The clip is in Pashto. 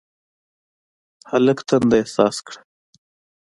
هلک تنده احساس کړه.